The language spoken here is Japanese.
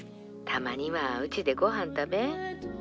たまにはうちでごはん食べ。